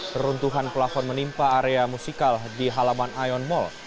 seruntuhan pelafon menimpa area musikal di halaman ion mall